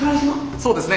そうですね